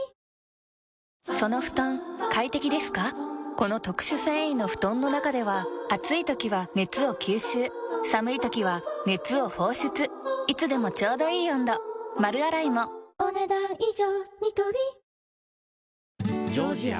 この特殊繊維の布団の中では暑い時は熱を吸収寒い時は熱を放出いつでもちょうどいい温度丸洗いもお、ねだん以上。